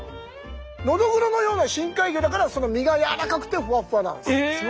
ノドグロのような深海魚だから身が軟らかくてふわふわなんです。